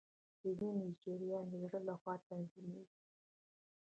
د وینې جریان د زړه لخوا تنظیمیږي